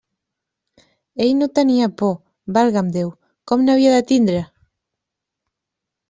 Ell no tenia por, valga'm Déu!, com n'havia de tindre?